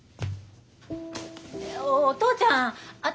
お父ちゃん頭